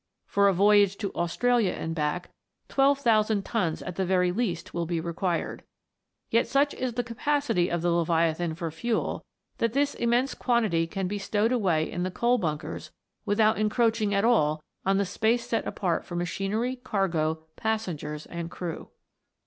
For a voyage to Australia THE WONDERFUL LAMP. 325 and back, 12,000 tons at the very least will be re quired, yet such is the capacity of the Leviathan for fuel, that this immense quantity can be stowed away in the coal bunkers without encroaching at all on the space set apart for machinery, cargo, passengers, and crew.